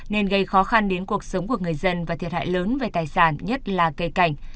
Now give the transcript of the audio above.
nên gây khó khăn đến cuộc sống của người dân và thiệt hại lớn về tài sản nhất là cây cảnh